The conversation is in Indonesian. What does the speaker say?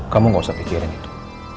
kamu gak usah pikirin itu